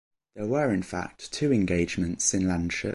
There were in fact two engagements at Landshut.